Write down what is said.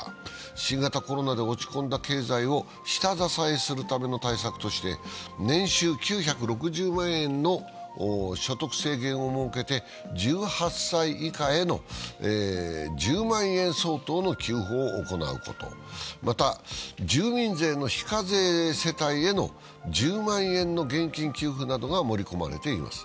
新型コロナで落ち込んだ経済を下支えするための対策として年収９６０万円の所得制限を設けて、１８歳以下への１０万円相当の給付を行うこと、また、住民税の非課税世帯への１０万円の現金給付などが盛り込まれています。